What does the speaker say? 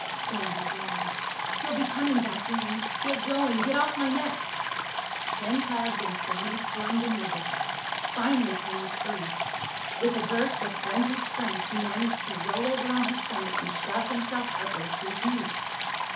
Sandy groaned. "He'll be coming back in! Get going! Get off my neck!" Ken tugged and Sandy squirmed and wriggled. Finally Ken was free. With a burst of frenzied strength he managed to roll over on his stomach and shove himself upward to his knees.